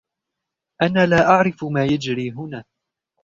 أنا لا أعرف ما يجري هنا.